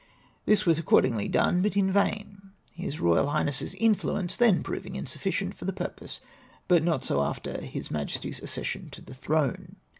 Tliis was accordingly done, but in vain, His Eoyal Higli ness's influence tlien proving insufficient for the pui pose, but not so after His Majesty's accession to tlie throne.